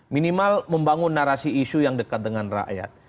minimal membangun narasi isu yang dekat dengan rakyat